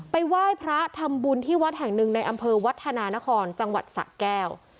ไหว้พระทำบุญที่วัดแห่งหนึ่งในอำเภอวัฒนานครจังหวัดสะแก้ว